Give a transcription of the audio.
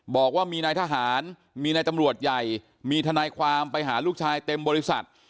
บอกว่ามีนายทหารมีนายตำรวจใหญ่มีทนายความไปหาลูกชายเต็มบริษัท